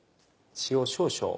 塩少々。